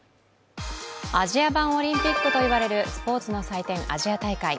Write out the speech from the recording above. アジア版オリンピックといわれるスポーツの祭典・アジア大会。